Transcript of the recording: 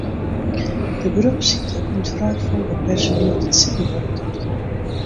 De beropssykte komt foaral foar by personiel dat sittend wurk docht.